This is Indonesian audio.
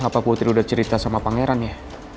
apa putri udah cerita sama pangeran ya